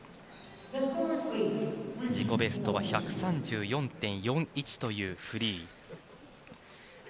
自己ベストは１３４．４１というフリー。